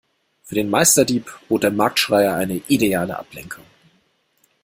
Für den Meisterdieb bot der Marktschreier eine ideale Ablenkung.